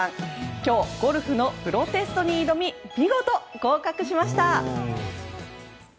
今日、ゴルフのプロテストに挑み見事、合格しました！